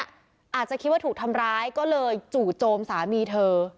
อาจจะคิดว่าถูกทำร้ายก็เลยจู่โจมสามีเธอ